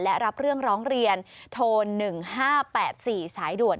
และรับเรื่องร้องเรียนโทร๑๕๘๔สายด่วน